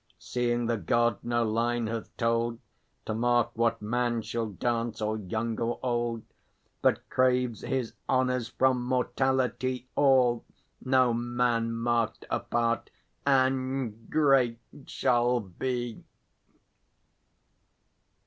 Seeing the God no line hath told To mark what man shall dance, or young or old; But craves his honours from mortality All, no man marked apart; and great shall be!